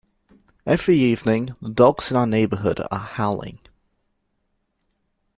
Every evening, the dogs in our neighbourhood are howling.